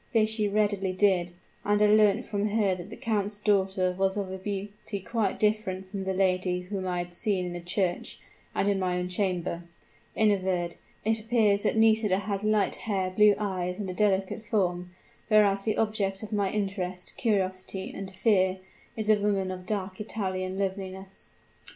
This she readily did, and I learnt from her that the count's daughter was of a beauty quite different from the lady whom I had seen in the church and in my own chamber. In a word, it appears that Nisida has light hair, blue eyes and a delicate form: whereas, the object of my interest, curiosity, and fear, is a woman of dark Italian loveliness.